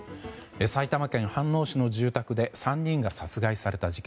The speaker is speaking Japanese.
埼玉県飯能市の住宅で３人が殺害された事件。